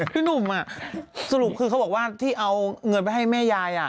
พี่หนุ่มสรุปคือเขาบอกว่าที่เอาเงินไปให้แม่ยาย